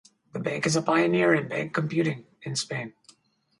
The bank is a pioneer in bank computing in Spain.